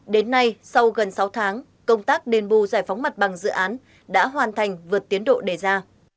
đến nay sau gần sáu tháng công tác đền bù giải phóng mặt bằng dự án đã hoàn thành vượt tiến độ đề ra